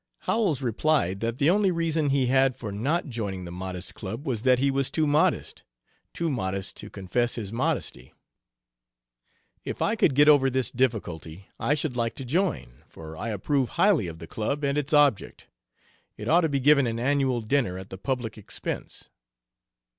Howells replied that the only reason he had for not joining the Modest Club was that he was too modest too modest to confess his modesty. "If I could get over this difficulty I should like to join, for I approve highly of the Club and its object.... It ought to be given an annual dinner at the public expense.